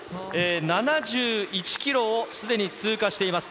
７１キロをすでに通過しています。